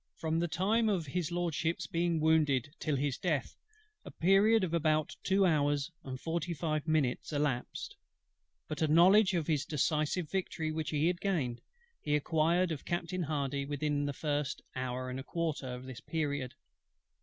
From the time of HIS LORDSHIP'S being wounded till his death, a period of about two hours and forty five minutes elapsed; but a knowledge of the decisive victory which was gained, he acquired of Captain HARDY within the first hour and a quarter of this period.